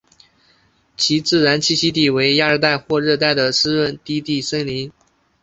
其自然栖息地为亚热带或热带的湿润低地森林。